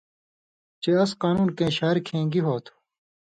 چے اَس قانُون کیں شار کھیں گی ہو تُھو؟